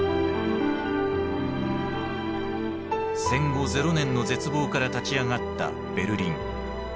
戦後ゼロ年の絶望から立ち上がったベルリン。